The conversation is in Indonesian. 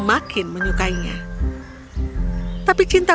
anda sudah ber tolerance